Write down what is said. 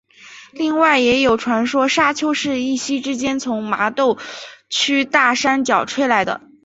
另外也有传说砂丘是一夕之间从麻豆区大山脚吹来的。